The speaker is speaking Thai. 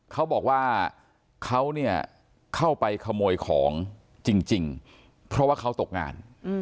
เขาบอกว่าเขาเนี่ยเข้าไปขโมยของจริงเพราะว่าเขาตกงาน